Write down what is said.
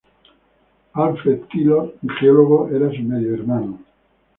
Alfred Tylor, geólogo, era su medio hermano.